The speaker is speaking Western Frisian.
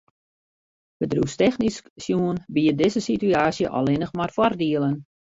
Bedriuwstechnysk besjoen biedt dizze situaasje allinnich mar foardielen.